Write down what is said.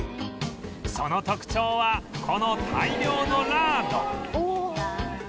その特徴はこの大量のラード